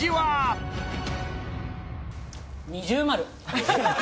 二重丸。